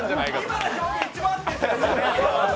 今の表現、一番合ってる。